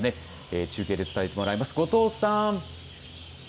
中継で伝えてもらいます後藤さん。